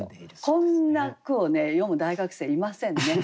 こんな句をね詠む大学生いませんね。